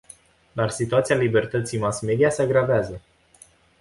Dar situația libertății mass-media se agravează.